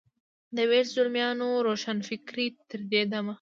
د ویښ زلمیانو روښانفکرۍ تر دې دمه.